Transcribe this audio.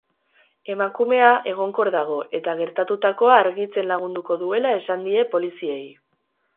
Emakumea egonkor dago, eta gertatutakoa argitzen lagunduko duela esan die poliziei.